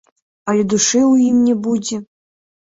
Але душы ў ім не будзе.